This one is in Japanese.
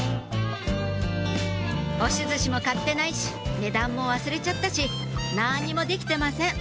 押し寿司も買ってないし値段も忘れちゃったしなんにもできてません